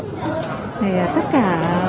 thì tất cả